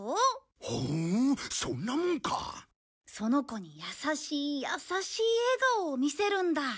その子に優しい優しい笑顔を見せるんだ。